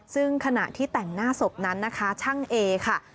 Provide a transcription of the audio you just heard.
ซึ่งขณะที่แต่งหน้าศพนั้นนะคะช่างเอค่ะ